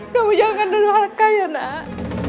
kamu jangan dodo harga ya nak